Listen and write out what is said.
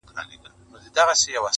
یو پلو یې د جمال تصویر دی